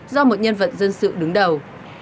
do một nhân vận dân sự đứng đầu